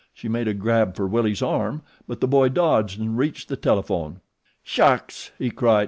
She made a grab for Willie's arm; but the boy dodged and reached the telephone. "Shucks!" he cried.